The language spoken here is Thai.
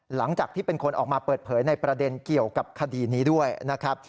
หลังจากที่เป็นคนออกมาเปิดเผยในประเด็นเกี่ยวกับคดีนี้ด้วยนะครับ